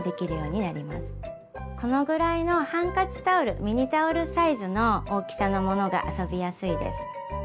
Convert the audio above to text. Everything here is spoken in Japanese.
このぐらいのハンカチタオルミニタオルサイズの大きさのものが遊びやすいです。